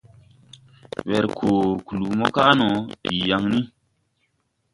Wer koo kluu mo kaʼ no, bii yaŋ ni.